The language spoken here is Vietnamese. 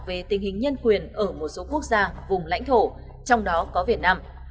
về tình hình nhân quyền ở một số quốc gia vùng lãnh thổ trong đó có việt nam